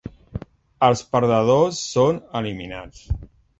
Els perdedors són eliminats.